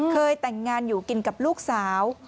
เคยแต่งงานอยู่กินกับลูกสาว